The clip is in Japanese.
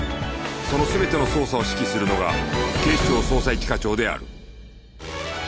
その全ての捜査を指揮するのが警視庁捜査一課長である